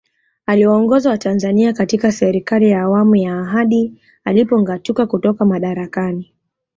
Aliwaongoza watanzania katika Serikali ya Awamu ya hadi alipongatuka kutoka madarakani